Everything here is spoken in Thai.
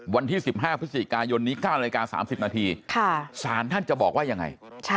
วันที่๑๕พฤศจิกายนนี้๙นาฬิกา๓๐นาทีสารท่านจะบอกว่ายังไง